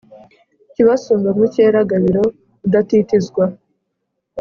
kibasumba mukera gabiro udatitizwa